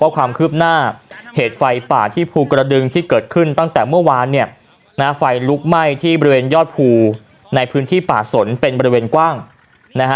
ความคืบหน้าเหตุไฟป่าที่ภูกระดึงที่เกิดขึ้นตั้งแต่เมื่อวานเนี่ยนะฮะไฟลุกไหม้ที่บริเวณยอดภูในพื้นที่ป่าสนเป็นบริเวณกว้างนะฮะ